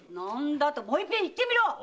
もういっぺん言ってみろ！